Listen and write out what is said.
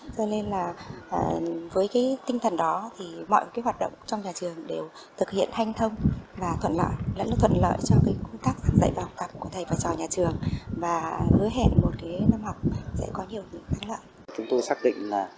cho nên là với cái tinh thần đó thì mọi cái hoạt động trong nhà trường đều thực hiện thanh thông và thuận lợi lẫn thuận lợi cho cái công tác giảng dạy và học tập của thầy và trò nhà trường và hứa hẹn một cái năm học sẽ có nhiều gì khác lợi